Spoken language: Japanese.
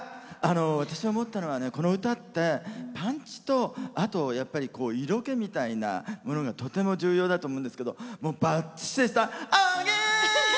私が思ったのは、この歌ってねパンチとあと色気みたいなものがとても重要だと思うんですけどもう、ばっちりであげ！